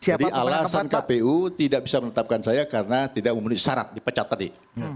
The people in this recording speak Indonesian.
alasan kpu tidak bisa menetapkan saya karena tidak memenuhi syarat dipecat tadi